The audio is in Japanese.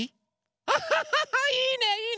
アハハハいいねいいね！